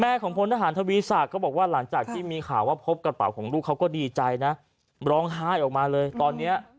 ของพลทหารทวีศักดิ์ก็บอกว่าหลังจากที่มีข่าวว่าพบกระเป๋าของลูกเขาก็ดีใจนะร้องไห้ออกมาเลยตอนนี้